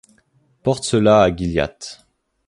Porte cela à Gilliatt.